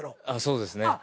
ああそうですね。